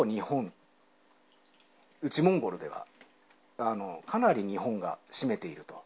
モンゴルでは、かなり日本が占めていると。